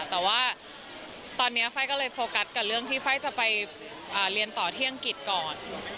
แต่ว่าตอนนี้ไฟล์ก็เลยโฟกัสกับเรื่องที่ไฟล์จะไปเรียนต่อที่อังกฤษก่อน